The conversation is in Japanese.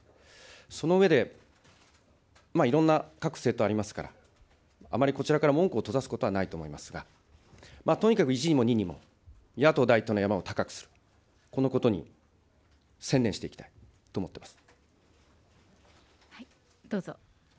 その上で、いろんな各政党ありますから、あまりこちらから門戸を閉ざすことはないと思いますが、とにかく一にも二にも、野党第１党の山を高くする、このことに専念していきたいと思っています。